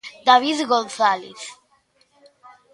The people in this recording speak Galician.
David González.